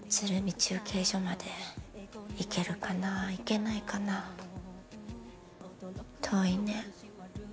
中継所まで行けるかな行けないかな遠いね